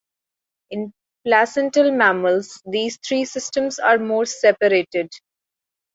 In placental mammals, these three systems are more separated.